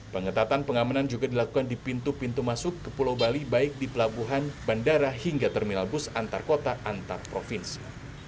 pengetatan pengamanan juga dilakukan di pintu pintu masuk ke pulau bali baik di pelabuhan bandara hingga terminal bus antar kota antar provinsi